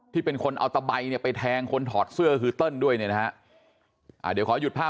ที่เป็นคนเอาตะใบเนี่ยไปแทงคนถอดเสื้อคือเติ้ลด้วยเนี่ยนะฮะเดี๋ยวขอหยุดภาพ